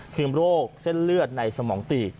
คือโรคเส้นเลือดในสมองตีบ